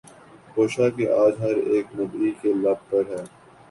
خوشا کہ آج ہر اک مدعی کے لب پر ہے